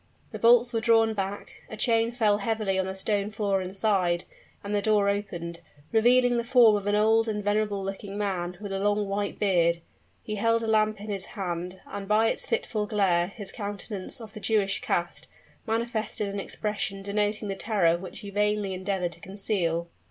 The bolts were drawn back a chain fell heavily on the stone floor inside and the door opened, revealing the form of an old and venerable looking man, with a long white beard. He held a lamp in his hand: and, by its fitful glare, his countenance, of the Jewish cast, manifested an expression denoting the terror which he vainly endeavored to conceal.